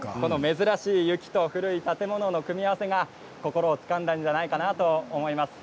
珍しい雪と古い建物の組み合わせが心をつかんだんじゃないかなと思います。